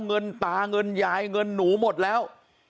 เงินตาเงินยายเงินหนูหมดแล้ว